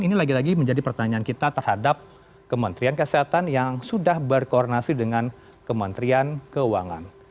ini lagi lagi menjadi pertanyaan kita terhadap kementerian kesehatan yang sudah berkoordinasi dengan kementerian keuangan